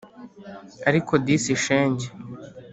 ariko disi shenge